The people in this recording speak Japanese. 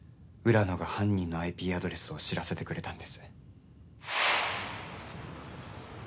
浦野が犯人のＩＰアドレスを知らせてくれたんです